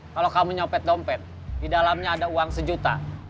kalau kamu nyopet dompet di dalamnya ada uang sejuta